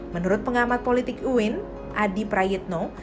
menurut pengamat politik uin adi prayitno